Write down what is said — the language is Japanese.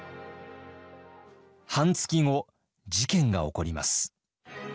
半月後事件が起こります。